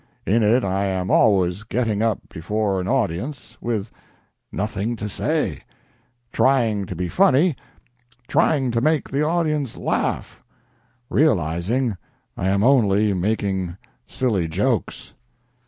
In it I am always getting up before an audience, with nothing to say, trying to be funny, trying to make the audience laugh, realizing I am only making silly jokes.